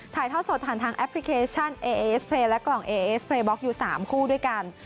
ถ่ายท่อสดผ่านทางแอปพลิเคชันเอเอสเพลย์และกล่องเอเอสเพลย์บล็อกอยู่๓คู่ด้วยกัน